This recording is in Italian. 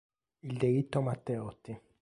Il delitto Matteotti